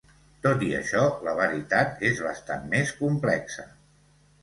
Tot i això, la veritat és bastant més complexa.